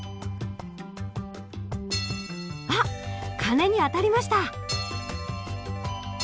あっ鐘に当たりました。